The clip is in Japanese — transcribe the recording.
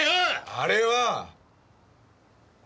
あれは！